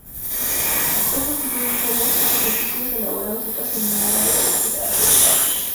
Estos incluyen joyas, armas y artículos elaborados ocasionales de alto estatus.